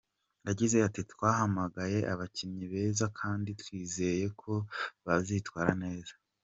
Yagize ati “Twahamagaye abakinnyi beza kandi twizeye ko bazitwara neza.